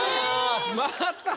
また。